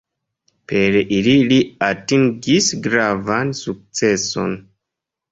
Per ili li atingis gravan sukceson.